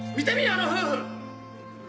あの夫婦。